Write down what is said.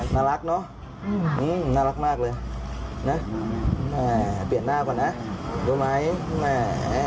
น่ารักเนอะน่ารักมากเลยนะเปลี่ยนหน้าก่อนนะรู้ไหมแม่